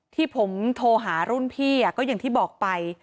ที่ผมโทรหารุ่นพี่ก็อย่างที่บอกไป